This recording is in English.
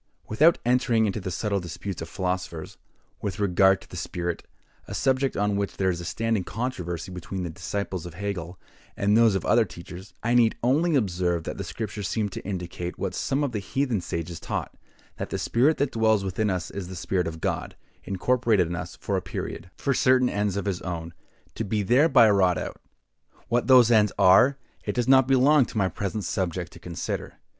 Without entering into the subtle disputes of philosophers, with regard to the spirit, a subject on which there is a standing controversy between the disciples of Hegel and those of other teachers, I need only observe that the Scriptures seem to indicate what some of the heathen sages taught, that the spirit that dwells within us is the spirit of God, incorporated in us for a period, for certain ends of his own, to be thereby wrought out. What those ends are, it does not belong to my present subject to consider.